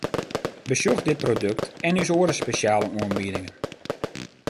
Besjoch dit produkt en ús oare spesjale oanbiedingen!